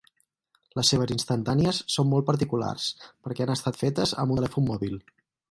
Les seves instantànies són molt particulars, perquè han estat fetes amb un telèfon mòbil.